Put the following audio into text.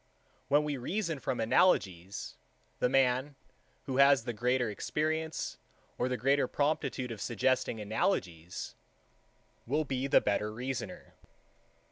7. When we reason from analogies, the man, who has the greater experience or the greater promptitude of suggesting analogies, will be the better reasoner.